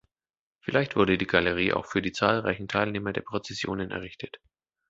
Vielleicht wurde die Galerie auch für die zahlreichen Teilnehmer der Prozessionen errichtet.